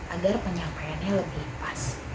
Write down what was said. agar penyampaiannya lebih pas